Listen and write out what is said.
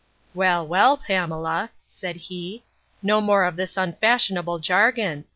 Well, well, Pamela, said he, no more of this unfashionable jargon.